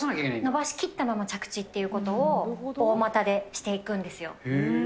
伸ばしきったまま着地っていうことを、大股でしていくんです